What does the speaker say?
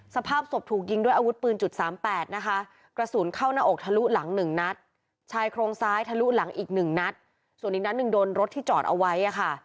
สภาพศพถูกยิงด้วยอาวุธปืนจุดสามแปดนะคะกระสุนเข้าหน้าอกทะลุหลังหนึ่งนัดชายโครงซ้ายทะลุหลังอีกหนึ่งนัดส่วนอีกนัดหนึ่งโดนรถที่จอดเอาไว้ค่ะ